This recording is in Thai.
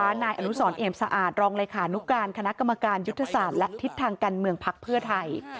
นายอนุสรเอี่ยมสะอาดรองเลขานุการคณะกรรมการยุทธศาสตร์และทิศทางการเมืองพักเพื่อไทย